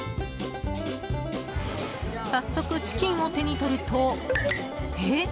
早速チキンを手に取るとえっ？